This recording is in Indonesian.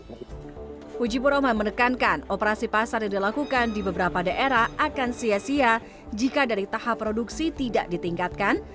pujibur rahman menekankan operasi pasar yang dilakukan di beberapa daerah akan sia sia jika dari tahap produksi tidak ditingkatkan